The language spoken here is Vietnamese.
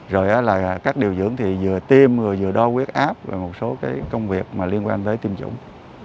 rồi đó là các điều dưỡng thì vừa tiêm rồi vừa đo quyết áp và một số cái công việc mà liên quan tới tiêm chủng